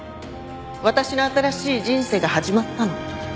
私の新しい人生が始まったの。